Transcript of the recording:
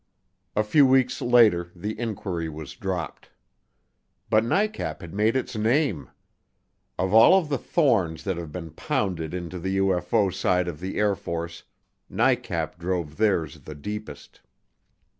A few weeks later the inquiry was dropped. But NICAP had made its name. Of all of the thorns that have been pounded into the UFO side of the Air Force, NICAP drove theirs the deepest.